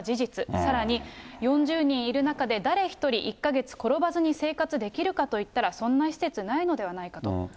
さらに、４０人いる中で誰一人、１か月転ばずに生活できるかといったら、そんな施設ないのではないかと。